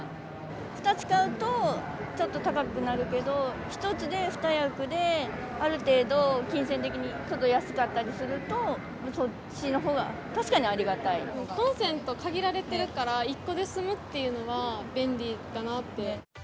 ２つ買うと、ちょっと高くなるけど、１つで２役で、ある程度、金銭的にちょっと安かったりすると、そっちのほうが、確かにありコンセント限られてるから、１個で済むっていうのは便利かなって。